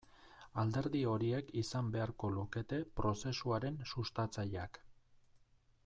Alderdi horiek izan beharko lukete prozesuaren sustatzaileak.